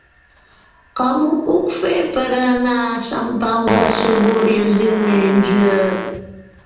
Com ho puc fer per anar a Sant Pau de Segúries diumenge?